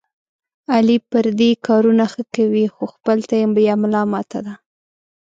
علي پردي کارونه ښه کوي، خو خپل ته یې بیا ملا ماته ده.